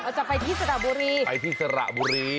ไม่ใช่ไปธรรมกระบอกจะไปที่สระบุรี